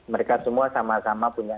mereka semua sama sama punya